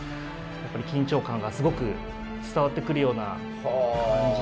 やっぱり緊張感がすごく伝わってくるような感じ。